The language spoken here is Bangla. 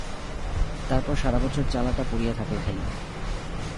তারপর সারা বছর চালাটা পড়িয়া থাকে খালি।